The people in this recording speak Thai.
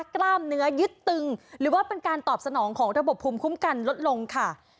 กล้ามเนื้อยึดตึงหรือว่าเป็นการตอบสนองของระบบภูมิคุ้มกันลดลงค่ะ